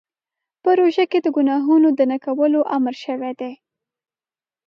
په روژه کې د ګناهونو د نه کولو امر شوی دی.